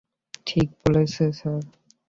ঠিকই বলছে, স্যার।